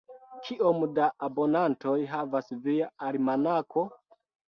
Kiom da abonantoj havas via almanako?